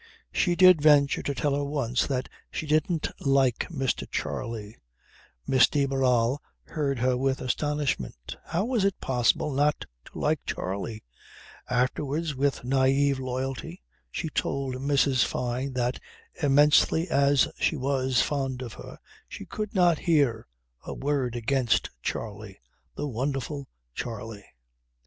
She did venture to tell her once that she didn't like Mr. Charley. Miss de Barral heard her with astonishment. How was it possible not to like Charley? Afterwards with naive loyalty she told Mrs. Fyne that, immensely as she was fond of her she could not hear a word against Charley the wonderful Charley.